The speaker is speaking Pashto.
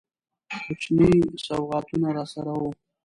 کوچني سوغاتونه راسره وه.